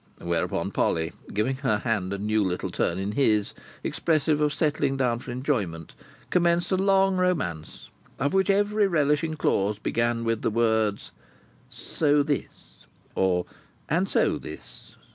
Whereupon Polly, giving her hand a new little turn in his, expressive of settling down for enjoyment, commenced a long romance, of which every relishing clause began with the words: "So this" or "And so this."